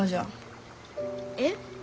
えっ？